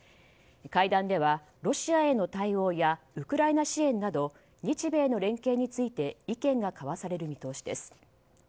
会談では、ロシアへの対応やウクライナ支援など日米の連携について意見が交わされる見通しです。